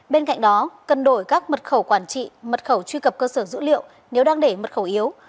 bên cạnh đó cần đổi các mật khẩu quản trị mật khẩu truy cập cơ sở dữ liệu nếu đang để mật khẩu yếu